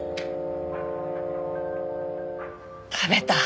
食べた。